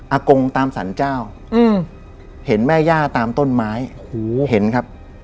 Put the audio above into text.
กงตามสรรเจ้าอืมเห็นแม่ย่าตามต้นไม้หูเห็นครับ